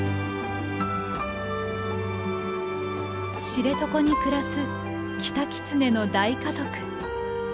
知床に暮らすキタキツネの大家族。